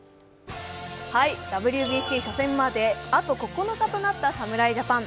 ＷＢＣ初戦まで、あと９日となった侍ジャパン。